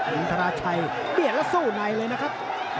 อินทราชัยเบียดแล้วสู้ในเลยนะครับ